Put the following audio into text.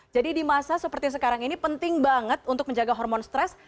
jadi di masa seperti sekarang ini penting banget untuk menjaga hormon stres